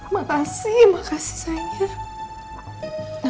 makasih makasih sayangnya